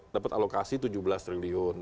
dapat alokasi tujuh belas triliun